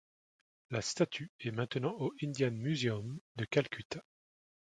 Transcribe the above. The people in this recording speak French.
La statue est maintenant au Indian Museum de Calcutta.